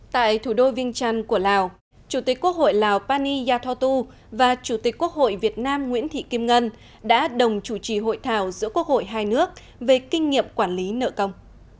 tại thủ đô viên trăn của lào chủ tịch quốc hội lào pani yathotu và chủ tịch quốc hội việt nam nguyễn thị kim ngân đã đồng chủ trì hội thảo giữa quốc hội hai nước về kinh nghiệm quản lý nợ công